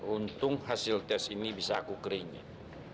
untung hasil tes ini bisa aku creaming